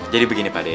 jadi begini pak d